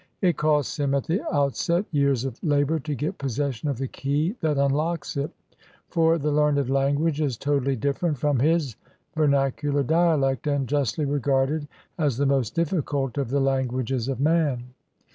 It costs him at the outset years of labor to get possession of the key that unlocks it; for the learned language is totally different from his ver nacular dialect, and justly regarded as the most difficult of the languages of man.